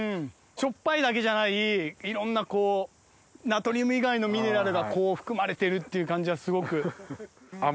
しょっぱいだけじゃないいろんなこうナトリウム以外のミネラルが含まれてるっていう感じがすごく。